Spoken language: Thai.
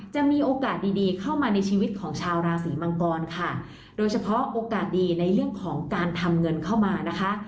จะมีโอกาสดีดีเข้ามาในชีวิตของชาวราศีมังกรค่ะโดยเฉพาะโอกาสดีในเรื่องของการทำเงินเข้ามานะคะ